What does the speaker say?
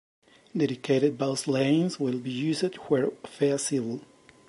Dedicated bus lanes will be used where feasible.